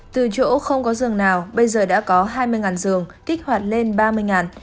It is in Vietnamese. từ chỗ không có giường nào bây giờ đã có hai mươi giường kích hoạt lên ba mươi